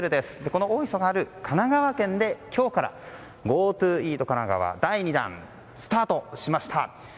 この大磯のある神奈川県で今日からＧｏＴｏイートかながわ第２弾がスタートしました！